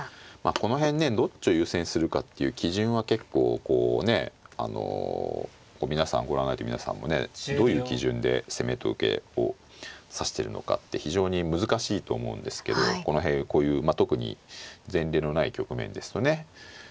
この辺ねどっちを優先するかっていう基準は結構こうねあのご覧になられてる皆さんもねどういう基準で攻めと受けを指してるのかって非常に難しいと思うんですけどこの辺こういうまあ特に前例のない局面ですとね。